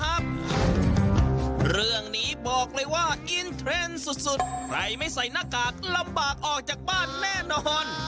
การเข้าไปน้ำต้นเทรนด์สุดใครไม่ใส่หน้ากากลำบากออกจากบ้านแน่นอน